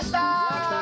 やった！